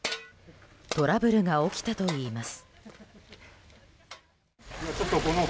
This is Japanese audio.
トラブルが起きたといいます。